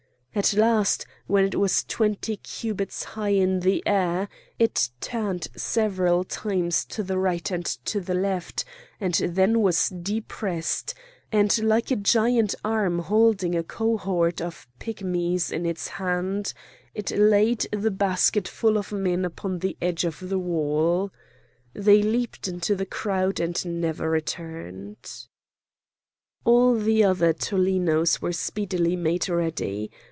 At last when it was twenty cubits high in the air it turned several times to the right and to the left, and then was depressed; and like a giant arm holding a cohort of pigmies in its hand, it laid the basketful of men upon the edge of the wall. They leaped into the crowd and never returned. All the other tollenos were speedily made ready.